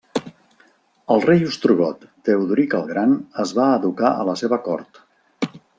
El rei ostrogot Teodoric el Gran es va educar a la seva cort.